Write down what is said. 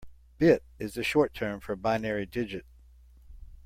Bit is the short term for binary digit.